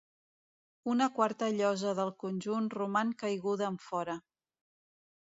Una quarta llosa del conjunt roman caiguda enfora.